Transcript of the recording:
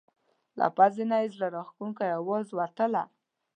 له پزې نه یو زړه راښکونکی اواز وتله.